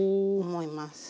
思います。